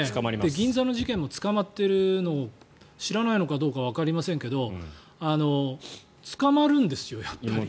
銀座の事件も捕まってるのを知らないのかどうかわかりませんけど捕まるんですよ、やっぱり。